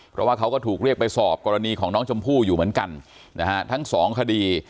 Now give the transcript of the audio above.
เพราะว่าเขาก็ถูกเรียกไปสอบกรณีของน้องชมพู่อยู่เหมือนกันนะฮะทั้งสองคดี